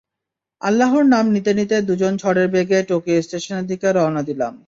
আল্লাহর নাম নিতে নিতে দুজন ঝড়ের বেগে টোকিও স্টেশনের দিকে রওনা দিলাম।